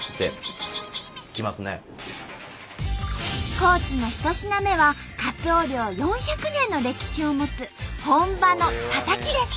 高知の１品目はカツオ漁４００年の歴史を持つ本場のタタキです！